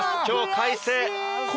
今日快晴。